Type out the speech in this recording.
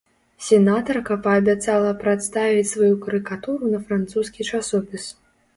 Сенатарка паабяцала прадставіць сваю карыкатуру на французскі часопіс.